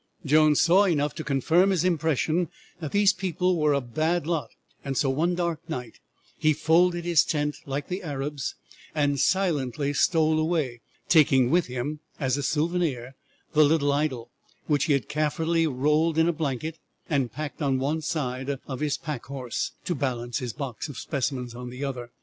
Jones saw enough to confirm his impression that these people were a bad lot, and one dark night he "folded his tent like the Arabs and silently stole away," taking with him as a souvenir the little idol, which he had carefully rolled in a blanket and packed on one side of his pack horse to balance his box of specimens on the other.